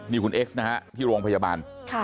นี่คุณเอ็กซ์นะฮะที่โรงพยาบาล